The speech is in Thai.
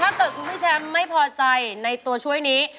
ถ้าเกิดคุณพี่แชมป์ไม่พอใจในตัวช่วยนี้